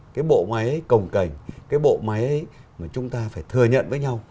cái bộ máy ấy cồng cảnh cái bộ máy ấy mà chúng ta phải thừa nhận với nhau